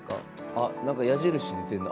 あ何か矢印出てんな。